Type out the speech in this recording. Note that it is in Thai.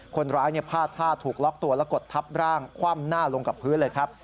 คนร้ายพาดท่าถูกล็อกตัวแล้วกดทับร่างคว่ำหน้าลงกับพื้นเลยครับ